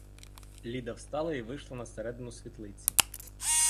Ліда встала й вийшла на середину світлиці.